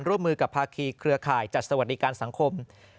ร่วมมือกับภาคีเครือข่ายจัดสวัสดิการสังคม